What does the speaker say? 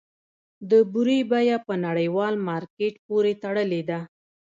د بورې بیه په نړیوال مارکیټ پورې تړلې ده؟